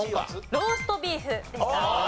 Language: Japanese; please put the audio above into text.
ローストビーフでした。